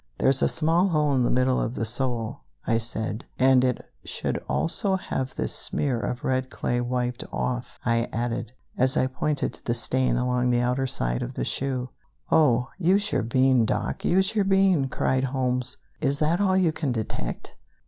There's a small hole in the middle of the sole," I said, "and it should also have this smear of red clay wiped off," I added, as I pointed to the stain along the outer side of the shoe. "Oh, use your bean, Doc, use your bean!" cried Holmes. "Is that all you can detect?"